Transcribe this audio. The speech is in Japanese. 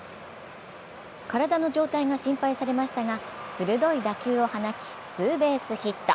体の状態が心配されましたが鋭い打球を放ちツーベースヒット。